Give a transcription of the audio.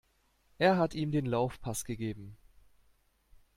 Er hat ihm den Laufpass gegeben.